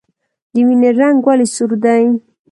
د وینې رنګ ولې سور دی